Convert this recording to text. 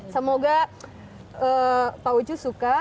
semoga pak ucu suka